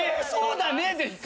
「そうだね」で。